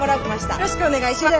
よろしくお願いします。